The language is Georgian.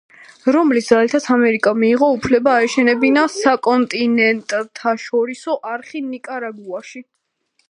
რომლის ძალითაც ამერიკამ მიიღო უფლება აეშენებინა საკონტინენტთაშორისო არხი ნიკარაგუაში.